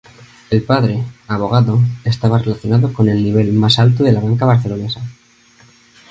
El padre, abogado, estaba relacionado con el nivel más alto de la banca barcelonesa.